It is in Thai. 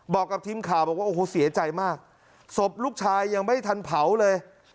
บอกกับทีมข่าวบอกว่าโอ้โหเสียใจมากศพลูกชายยังไม่ทันเผาเลย